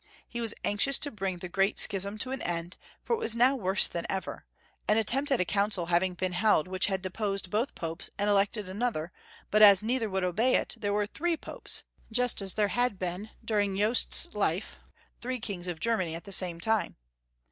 He was anxious to bring the Great Schism to an end, for it was now worse than ever, an attempt at a council having been held which had deposed both Popes and elected another, but as neither would obey it, there were three Popes, just as there had been, during Jobst's Siegmund. 237 life, three Kings of Germany at the same time.